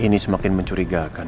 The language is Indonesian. ini semakin mencurigakan